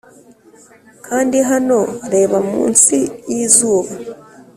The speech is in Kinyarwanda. kandi hano reba munsi yizuba